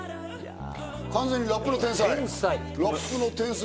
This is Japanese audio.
完全にラップが天才。